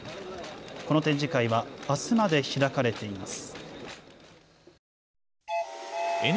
この展示会はあすまで開かれています。